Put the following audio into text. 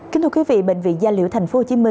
kính thưa quý vị bệnh viện gia liễu tp hcm